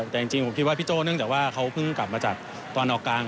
แต่จริงผมคิดว่าพี่โจ้เนื่องจากว่าเขาเพิ่งกลับมาจากตอนออกกลาง